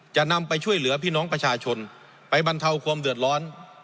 จะนำไปช่วยเหลือพี่น้องประชาชนไปบรรเทาความเดือดร้อน